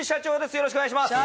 よろしくお願いします。